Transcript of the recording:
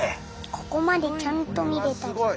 ここまでちゃんと見れたり。